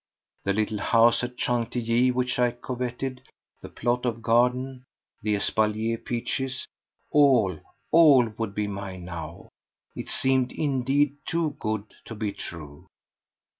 The little house at Chantilly which I coveted, the plot of garden, the espalier peaches—all, all would be mine now! It seemed indeed too good to be true!